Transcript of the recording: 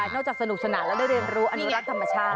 สนุกสนานและได้เรียนรู้อนุรักษ์ธรรมชาติ